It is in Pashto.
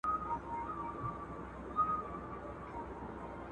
د انسانانو له پير او پلور څخه بايد ډډه وسي.